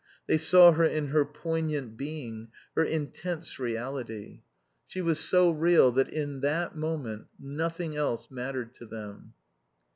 They saw her in her poignant being, her intense reality. She was so real that in that moment nothing else mattered to them.